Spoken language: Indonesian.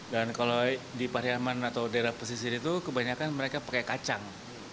dan kalau di pariaman atau daerah pesisir itu kebanyakan mereka pakai kacang